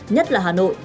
nhất là hà nội